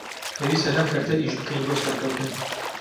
پێویستە لەم کەرتە ئیش بکەین بۆ سەرکەوتن